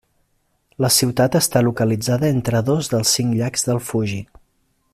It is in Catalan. La ciutat està localitzada entre dos dels cinc llacs del Fuji.